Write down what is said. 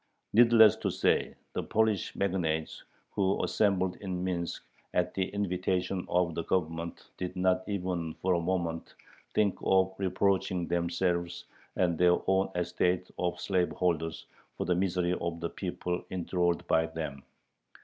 Needless to say, the Polish magnates who assembled in Minsk at the invitation of the Government did not even for a moment think of reproaching themselves and their own estate of slaveholders for the misery of the people enthralled by them.